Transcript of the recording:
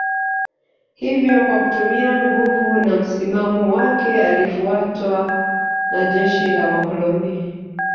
Hivyo kwa kutumia nguvu na msimamo wake alifuatwa na jeshi la Wakoloni